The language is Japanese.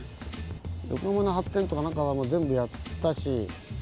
横浜の発展とか何かはもう全部やったし。